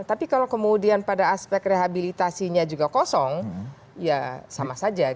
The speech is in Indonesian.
tapi kalau kemudian pada aspek rehabilitasinya juga kosong ya sama saja